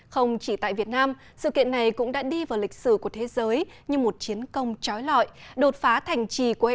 không chỉ tại việt nam sự kiện này cũng đã đi vào lịch sử của thế giới như một chiến công trói lọi đột phá thành trì của hệ thống